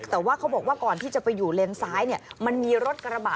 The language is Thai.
แต่ว่าเขาบอกว่าก่อนที่จะไปอยู่เลนซ้ายเนี่ยมันมีรถกระบะ